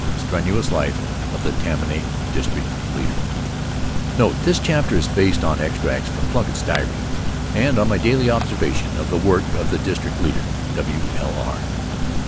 Strenuous Life of the Tammany District Leader Note: This chapter is based on extracts from Plunkitt's Diary and on my daily observation of the work of the district leader. W.L.R.